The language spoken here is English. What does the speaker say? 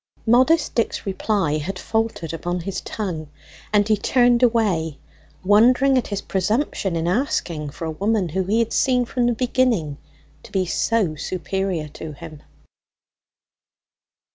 Modest Dick's reply had faltered upon his tongue, and he turned away wondering at his presumption in asking for a woman whom he had seen from the beginning to be so superior to him.